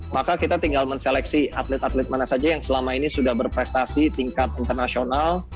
maka kita tinggal menseleksi atlet atlet mana saja yang selama ini sudah berprestasi tingkat internasional